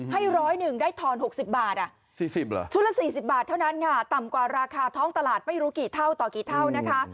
ให้ร้อยหนึ่งได้ทอน๖๐บาทชุดละ๔๐บาทเท่านั้นค่ะต่ำกว่าราคาท้องตลาดไม่รู้กี่เท่าต่อกี่เท่านะคะ